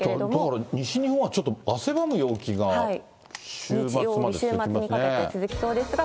だから西日本はちょっと、汗ばむ陽気が、週末まで続きますね。